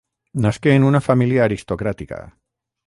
Nasqué en una família aristocràtica.